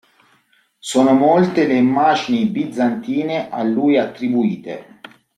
Sono molte le immagini bizantine a lui attribuite.